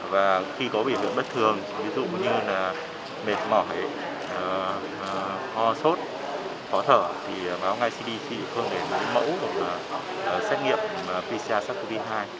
và khi có biểu hiện bất thường ví dụ như mệt mỏi ho sốt khó thở thì báo ngay cdc địa phương để mẫu một xét nghiệm pcr sars cov hai